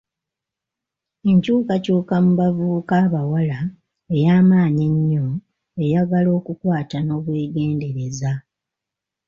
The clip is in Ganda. Enkyukakyuka mu bavubuka abawala ey'amaanyi ennyo eyagala okukwata n'obwegendereza.